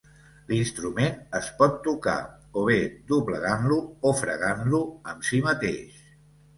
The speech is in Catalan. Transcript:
L'instrument es pot tocar o bé doblegant-lo o fregant-lo amb si mateix.